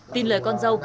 tin lời con dâu